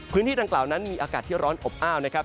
พื้นที่ดังกล่าวนั้นมีอากาศที่ร้อนอบอ้าวนะครับ